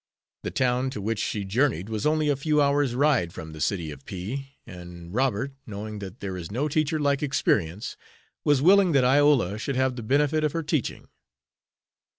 The town to which she journeyed was only a few hours' ride from the city of P , and Robert, knowing that there is no teacher like experience, was willing that Iola should have the benefit of her teaching.